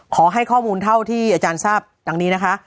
ขอให้ข้อมูลเท่าที่อาจารย์ทราบดังนี้นะคะ